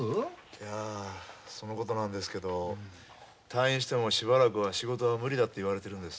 いやそのことなんですけど退院してもしばらくは仕事は無理だって言われてるんです。